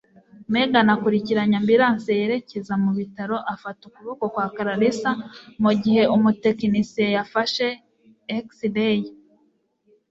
Megan yakurikiranye ambulance yerekeza mu bitaro afata ukuboko kwa Clarissa mu gihe umutekinisiye yafashe X-ray.